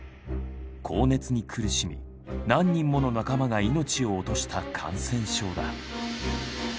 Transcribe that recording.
高熱に苦しみ何人もの仲間が命を落とした感染症だ。